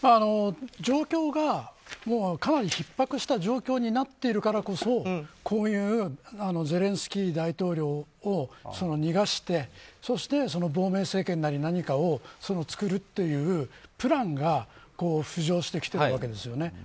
状況がかなりひっ迫した状況になっているからこそこういうゼレンスキー大統領を逃がしてそして亡命政権なり何かを作るというプランが浮上してきているわけですよね。